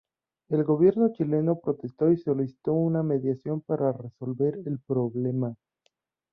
El gobierno chileno protestó y solicitó una mediación para resolver el problema.